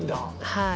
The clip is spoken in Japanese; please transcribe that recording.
はい。